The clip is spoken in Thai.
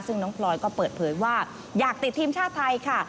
ซึ่งน้องพลอยก็เปิดเผยว่าอยากติดทีมชาติไทยค่ะ